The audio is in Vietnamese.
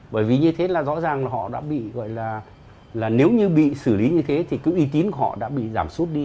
bởi vì như thế là rõ ràng là họ đã bị gọi là nếu như bị xử lý như thế thì cứ y tín của họ đã bị giảm sút đi